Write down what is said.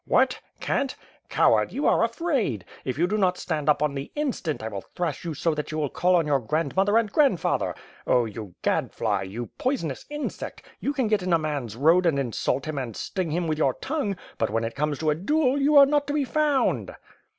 "What? Cant! Coward! You are afraid! If you do not stand up on the instant, I will thrash you so that you will call on your grandmother and grandfather. Oh, you gad fly, you poisonous insect, you can get in a man's road and insult him and sting him with your tongue; but, when it comes to a duel, you are not to be found."